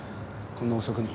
こんな遅くに。